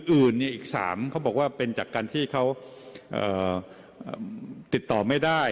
อื่นอีก๓เขาบอกว่าเป็นจากการที่เขาติดต่อไม่ได้